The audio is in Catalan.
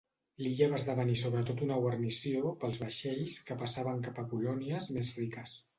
L'illa va esdevenir sobretot una guarnició pels vaixells que passaven cap a colònies més riques.